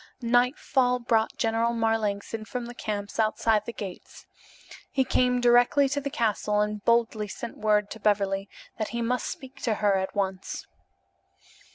Nightfall brought General Marlanx in from the camps outside the gates. He came direct to the castle and boldly sent word to Beverly that he must speak to her at once.